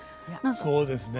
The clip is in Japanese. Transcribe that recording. そうですね。